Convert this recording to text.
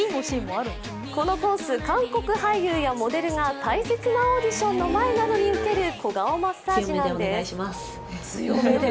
このコース、韓国俳優やモデルが大切なオーディションの前などに受ける強めでお願いします。